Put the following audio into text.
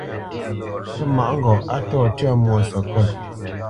Pə́ mâʼ ŋgɔʼ a ntô tyə̂ mwo sekot.